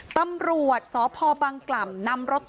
ตำรวจสพบังกล่ำนำรถตู้